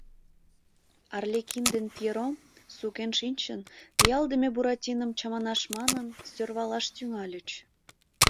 Арлекин ден Пьеро, сукен шинчын, пиалдыме Буратином чаманаш манын, сӧрвалаш тӱҥальыч.